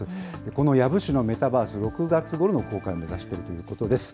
この養父市のメタバース、６月ごろの公開を目指しているということです。